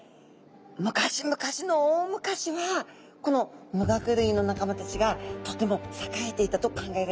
むかしむかしの大むかしはこの無顎類の仲間たちがとてもさかえていたと考えられてます。